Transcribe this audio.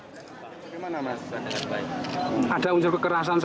proses pembebasan itu seperti apa mas